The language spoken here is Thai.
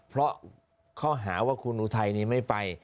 เพราะข้อหาว่าคุณอุทัยนี้ไม่ไป